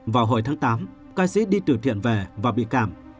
vào hồi tháng tám ca sĩ đi từ thiện về và bị cảm